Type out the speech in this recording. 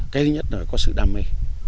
cái thứ nhất là có sự đam mê